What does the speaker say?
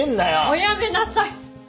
おやめなさい！